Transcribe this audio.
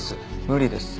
無理です。